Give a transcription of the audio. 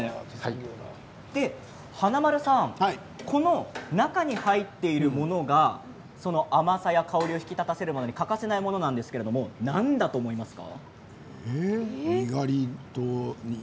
華丸さん、この中に入っているものが甘さや香りを引き立たせるんです欠かせないものなんですが何だと思いますか？